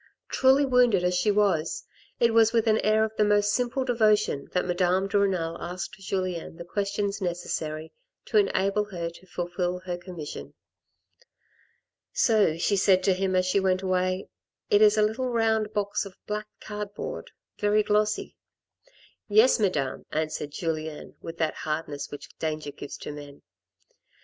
Truly wounded as she was, it was with an air of the most simple devotion that Madame de Renal asked Julien the questions necessary to enable her to fulfil her commission. " So " she said to him as she went away, " it is a little round box of black cardboard, very glossy." " Yes, Madame," answered Julien, with that hardness which danger gives to men.